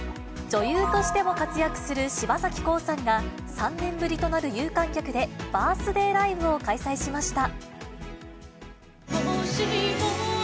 女優としても活躍する柴咲コウさんが、３年ぶりとなる有観客で、バースデーライブを開催しました。